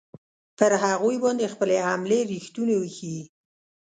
پر هغوی باندې خپلې حملې ریښتوني وښیي.